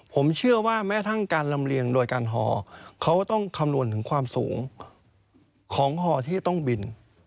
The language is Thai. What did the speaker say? ผมเชื่อว่าแม้ทั้งการลำเลียงโดยการห่อเขาต้องคำนวณถึงความสูงของห่อที่จะต้องบิน